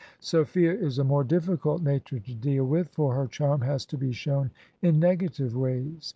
Sophia is a more difficult nature to deal with, for her charm has to be shown in negative ways.